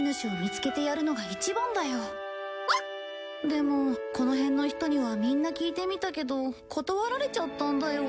でもこの辺の人にはみんな聞いてみたけど断られちゃったんだよ。